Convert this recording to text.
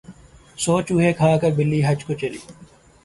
سو چوہے کھا کے بلی حج کو چلی